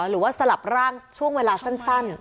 หรือว่าสลับร่างช่วงเวลาสั้น